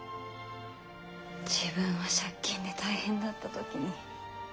自分は借金で大変だった時に。